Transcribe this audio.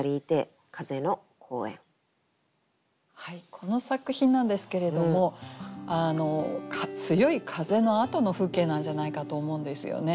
この作品なんですけれども強い風のあとの風景なんじゃないかと思うんですよね。